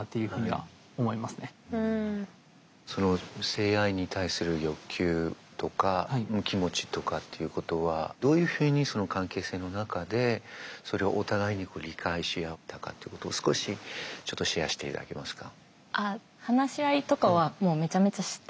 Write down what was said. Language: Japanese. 性愛に対する欲求とか気持ちとかっていうことはどういうふうにその関係性の中でそれをお互いに理解し合ったかってことを少しちょっとシェアしていただけますか？